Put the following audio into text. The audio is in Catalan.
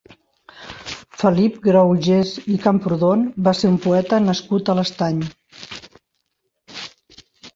Felip Graugés i Camprodon va ser un poeta nascut a l'Estany.